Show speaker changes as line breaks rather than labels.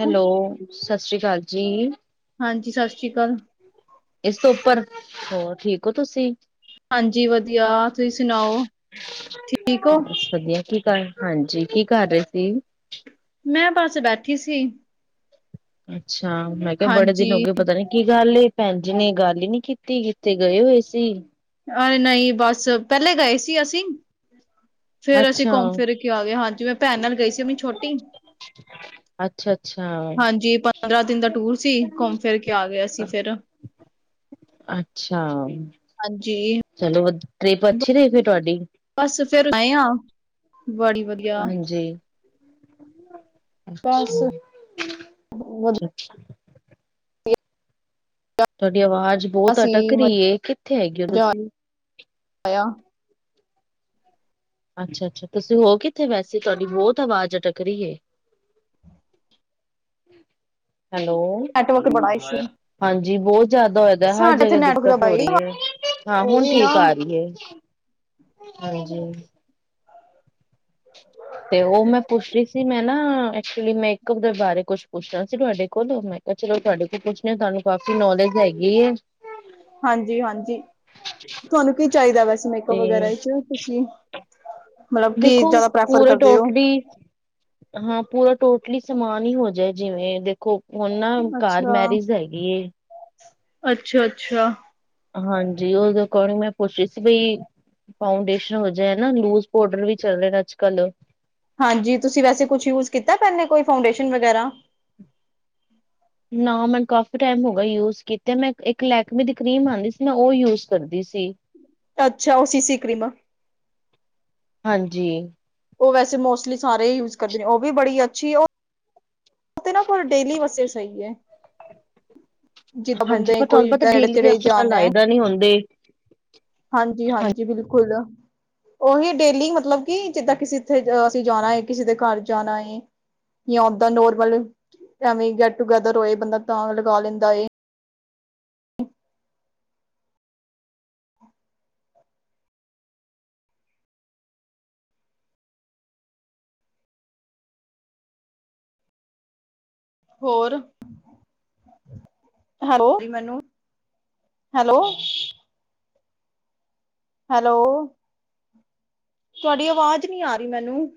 Hello, ਸਤਿ ਸ਼੍ਰੀ ਅਕਾਲ ਜੀ।
ਹਾਂਜੀ, ਸਤਿ ਸ਼੍ਰੀ ਅਕਾਲ।
ਇਸ ਤੋਂ ਉੱਪਰ ਹੋਰ ਠੀਕ ਹੋ ਤੁਸੀਂ?
ਹਾਂਜੀ, ਵਧੀਆ, ਤੁਸੀਂ ਸੁਣਾਓ, ਠੀਕ ਹੋ?
ਬਸ ਵਧੀਆ, ਕੀ ਗੱਲ ਹਾਂਜੀ, ਕੀ ਕਰ ਰਹੇ ਸੀ?
ਮੈਂ ਬਸ ਬੈਠੀ ਸੀ।
ਅੱਛਾ, ਮੈਂ ਕਿਹਾ ਬੜੇ ਦਿਨ ਹੋ
ਹਾਂਜੀ,
ਗਏ, ਪਤਾ ਨਹੀਂ ਕੀ ਗੱਲ ਏ, ਭੈਣ ਜੀ ਨੇ ਗੱਲ ਹੀ ਨਹੀਂ ਕੀਤੀ। ਕਿੱਥੇ ਗਏ ਹੋਏ ਸੀ?
ਅਰੇ ਨਹੀਂ ਬਸ ਪਹਿਲੇ ਗਏ ਸੀ, ਅਸੀਂ ਫਿਰ ਅਸੀਂ
ਅੱਛਾ
ਘੁੰਮ-ਫਿਰ ਕੇ ਆ ਗਏ ਹਾਂ ਜੀ। ਮੈਂ ਆਪਣੀ ਛੋਟੀ ਭੈਣ ਨਾਲ ਗਈ ਸੀ।
ਅੱਛਾ ਅੱਛਾ
ਹਾਂਜੀ, ਪੰਦਰਾਂ ਦਿਨ ਦਾ ਟੂਰ ਸੀ। ਘੁੰਮ-ਫਿਰ ਕੇ ਫਿਰ ਅਸੀਂ ਆ ਗਏ, ਅਸੀ ਫੇਰ
ਅੱਛਾ,
ਹਾਂਜੀ।
ਚਲੋ, ਫਿਰ ਤੁਹਾਡੀ ਟ੍ਰਿਪ ਅੱਛੀ ਰਹੀ ਤੁਹਾਡੀ?
ਬੱਸ ਫਿਰ [inaudible] ਬਸ ਵਧੀਆ
ਅੱਛਾ-ਅੱਛਾ। ਤੁਹਾਡੀ ਆਵਾਜ਼ ਬਹੁਤ
ਸੀ
ਅਟਕ ਰਹੀ ਹੈ। ਕਿੱਥੇ ਹੈਗੇ ਓ
ਮਜ਼ਾ
ਤੁਸੀ?
ਆਇਆ
ਅੱਛਾ-ਅੱਛਾ, ਤੁਸੀਂ ਹੋ ਕਿੱਥੇ ਵੈਸੇ? ਤੁਹਾਡੀ ਬਹੋਤ ਆਵਾਜ਼ ਅਟਕ ਰਹੀ ਹੈ। ਹੈਲੋ।
ਨੈਟਵਰਕ ਬੜਾ ਇਸ਼ੂ
ਹਾਂਜੀ, ਬਹੁਤ ਜ਼ਿਆਦਾ ਹੋ ਰਿਹਾ ਹੈ। ਹਰ
ਸਾਡੇ ਤੇ
ਜਗ੍ਹਾ
ਨੈਟਵਰਕ ਦਾ
ਦਿੱਕਤ ਆ
ਬਈ
ਰਹੀ ਹੈ। ਹਾਂ, ਹੁਣ
ਉਹੀ ਨਾ,
ਠੀਕ ਆ ਰਹੀ ਹੈ। ਹਾਂਜੀ। ਤੇ ਉਹ ਮੈਂ ਪੁੱਛ ਰਹੀ ਸੀ, ਮੈਂ ਨਾ, ਐਕਚੁਅਲੀ ਮੈਂ ਇੱਕ ਗੱਲ ਬਾਰੇ ਤੁਹਾਡੇ ਕੋਲ ਕੁਝ ਪੁੱਛਣਾ ਸੀ। ਮੈਂ ਸੋਚਿਆ, ਚਲੋ ਤੁਹਾਡੇ ਕੋਲ ਹੀ ਪੁੱਛ ਲੈਂਦੀ ਹਾਂ। ਤਹਾਨੂੰ ਕਾਫੀ ਨੌਲੇਜ ਹੈਗੀ ਹੈ।
ਹਾਂਜੀ-ਹਾਂਜੀ, ਤੁਹਾਨੂੰ ਕੀ ਚਾਹੀਦਾ ਵੈਸੇ ਮੇਕਅੱਪ
ਤੇ
ਵਗੈਰਾ ਵਿੱਚ ਤੁਸੀਂ? ਮਤਲਬ ਕੀ
ਦੇਖੋ,
ਜ਼ਿਆਦਾ ਪ੍ਰੈਫਰ
ਪੂਰੇ
ਕਰਦੇ ਹੋ
ਟੋਟਲੀ ਹਾਂ, ਪੂਰਾ ਟੋਟਲੀ ਸਮਾਨ ਹੀ ਹੋ ਜਾਏ, ਜਿਵੇਂ ਹੁਣ ਨਾ, ਘਰ ਵਿੱਚ ਮੈਰਿਜ ਹੈਗੀ ਏ।
ਅੱਛਾ-ਅੱਛਾ।
ਹਾਂਜੀ, ਉਹਦੇ ਅਕੋਰਡਿੰਗ ਮੈਂ ਪੁੱਛ ਰਹੀ ਸੀ ਬਈ ਫਾਊਂਡੇਸ਼ਨ ਹੋ ਜਾਏ ਨਾ, ਲੂਜ਼ ਪਾਊਡਰ ਵੀ ਚਲ ਰਹੇ ਨੇ, ਅੱਜਕੱਲ੍ਹ
ਹਾਂਜੀ, ਤੁਸੀਂ ਵੈਸੇ ਕੁਝ ਯੂਜ਼ ਕੀਤਾ ਪਿਹਲੇ, ਕੋਈ ਫਾਊਂਡੇਸ਼ਨ ਵਗੈਰਾ?
ਨਾ, ਮੈਨੂੰ ਕਾਫੀ ਟਾਈਮ ਹੋ ਗਿਆ ਯੂਜ਼ ਕੀਤੇ। ਮੈਂ ਲੈਕਮੇ ਦੀ ਇੱਕ ਕ੍ਰੀਮ ਆਉਂਦੀ ਸੀ, ਮੈਂ ਉਹੀ ਯੂਜ਼ ਕਰਦੀ ਸੀ। [unintelligible]
ਅੱਛਾ, ਉਹ ਸੀਸੀ ਕ੍ਰੀਮ ਸੀ।
ਹਾਂਜੀ।
ਉਹ ਵੈਸੇ ਮੋਸਟਲੀ ਸਾਰੇ ਹੀ ਯੂਜ਼ ਕਰਦੇ ਨੇ। ਉਹ ਵੀ ਬੜੀ ਅੱਛੀ ਓਹ ਉਹ ਤੇ ਨਾ ਕੋ ਡੇਲੀ ਬਸੇ ਸਹੀ ਆ। ਜਿੱਦਾਂ ਬੰਦੇ ਨੇ ਕੋਈ ਨੇੜੇ ਤੇੜੇ ਜਾਣਾ।
ਏਦਾ ਨੀ ਹੁੰਦੇ।
ਹਾਂਜੀ -ਹਾਂਜੀ ਬਿਲਕੁਲ। ਓਹੀ ਡੇਲੀ ਮਤਲਬ ਕਿ ਜਿੱਦਾਂ ਕਿਸੇ ਇੱਥੇ ਅਸੀ ਜਾਣਾ ਏ ਕਿਸੇ ਦੇ ਘਰ ਜਾਣਾ ਏ ਯਾ ਓਦਾ ਨੋਰਮਲ ਐਵੇਂ ਈ ਗੈਟ ਟੂਗੈਦਰ ਹੋਏ ਬੰਦਾ ਤਾਂ ਲਗਾ ਲੇੰਦਾ ਏ। ਹੋਰ? ਹੈਲੋ [unintelligible] ਮੈਨੂੰ ਹੈਲੋ? ਹੈਲੋ? ਤੁਆਡੀ ਆਵਾਜ਼ ਨੀ ਆ ਰੀ ਮੈਨੂੰ